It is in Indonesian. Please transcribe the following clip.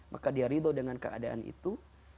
maka dia ridho dengan keadaan itu